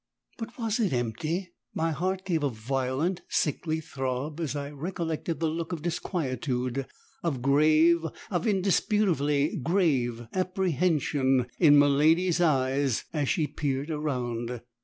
But was it empty? My heart gave a violent, sickly throb as I recollected the look of disquietude, of grave, of indisputably grave apprehension in miladi's eyes as she peered around!